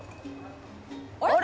「あれ！？」